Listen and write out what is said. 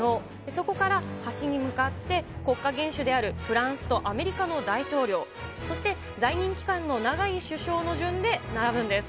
そこから端に向かって国家元首であるフランスとアメリカの大統領、そして在任期間の長い首相の順で並ぶんです。